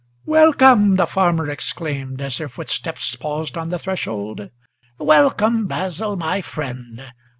"Welcome!" the farmer exclaimed, as their footsteps paused on the threshold, "Welcome, Basil, my friend!